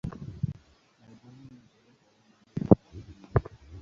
Albamu ilitoka tarehe moja mwezi wa pili